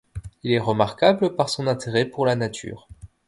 Il est remarquable par son intérêt pour la nature.